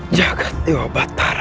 jagat dewa batara